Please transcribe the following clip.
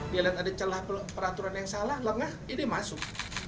bila ada peraturan yang salah lengah ini masuk